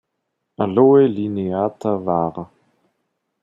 Aloe lineata var.